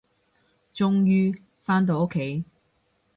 終於，返到屋企